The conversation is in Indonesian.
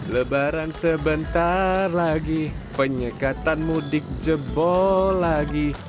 lebaran sebentar lagi penyekatan mudik jebol lagi